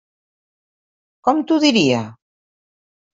Com t'ho diria?